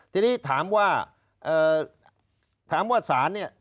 ทีนี้ถามว่าถามว่าศาลเนี่ย